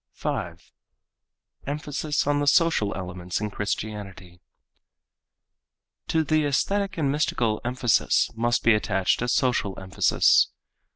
5. Emphasis on the Social Elements in Christianity To the aesthetic and mystical emphasis must be attached a social emphasis.